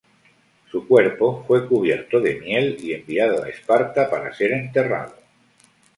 Su cuerpo fue cubierto de miel y enviado a Esparta para ser enterrado.